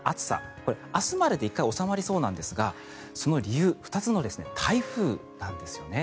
これ、明日までで１回収まりそうなんですがその理由２つの台風なんですね。